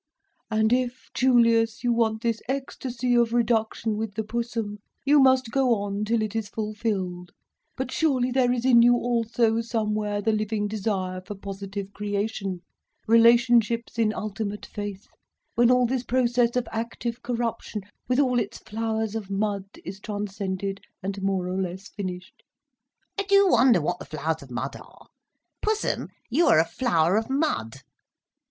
'And if, Julius, you want this ecstasy of reduction with the Pussum, you must go on till it is fulfilled. But surely there is in you also, somewhere, the living desire for positive creation, relationships in ultimate faith, when all this process of active corruption, with all its flowers of mud, is transcended, and more or less finished—' I do wonder what the flowers of mud are. Pussum, you are a flower of mud."